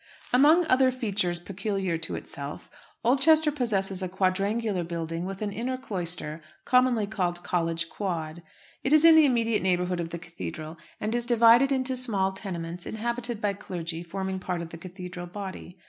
Among other features peculiar to itself, Oldchester possesses a quadrangular building with an inner cloister, commonly called College Quad. It is in the immediate neighbourhood of the cathedral, and is divided into small tenements inhabited by clergy forming part of the cathedral body.